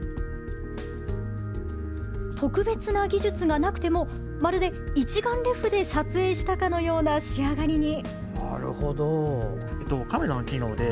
特別な技術がなくてもまるで一眼レフで撮影したかのような仕上がりに。